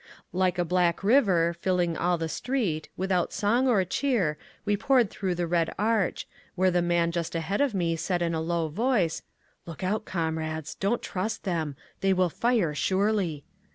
Like a black river, filling all the street, without song or cheer we poured through the Red Arch, where the man just ahead of me said in a low voice: "Look out, comrades! Don't trust them. They will fire, surely!"